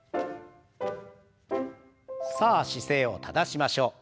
さあ姿勢を正しましょう。